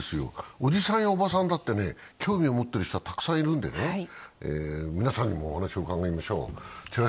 おじさんやおばさんだってね、興味を持ってる人はたくさんいるのでね、皆さんにもお話を伺いましょう。